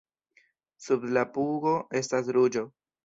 Sub la pugo estas ruĝo.